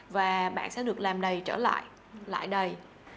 và bạn sẽ được làm đầy trở lại lại đầy